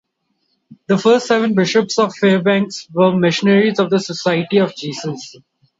The first seven bishops of Fairbanks were missionaries of the Society of Jesus.